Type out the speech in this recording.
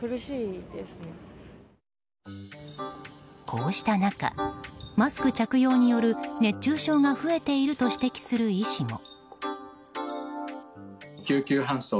こうした中、マスク着用による熱中症が増えていると指摘する医師も。